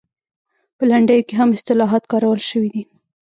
په لنډیو کې هم اصطلاحات کارول شوي دي